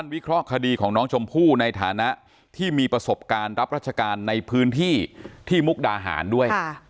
วิเคราะห์คดีของน้องชมพู่ในฐานะที่มีประสบการณ์รับราชการในพื้นที่ที่มุกดาหารด้วย